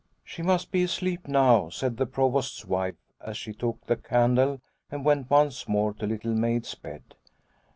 " She must be asleep by now," said the Provost's wife, as she took the candle and went once more to Little Maid's bed.